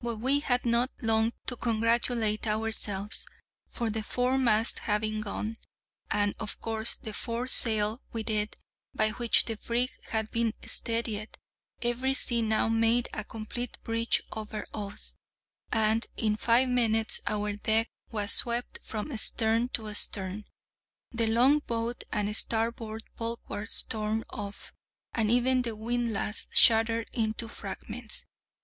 But we had not long to congratulate ourselves; for the foremast having gone, and, of course, the foresail with it, by which the brig had been steadied, every sea now made a complete breach over us, and in five minutes our deck was swept from stem to stern, the longboat and starboard bulwarks torn off, and even the windlass shattered into fragments.